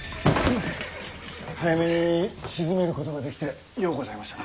早めに鎮めることができてようございましたな。